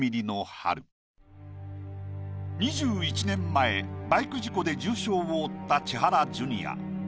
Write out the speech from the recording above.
２１年前バイク事故で重傷を負った千原ジュニア。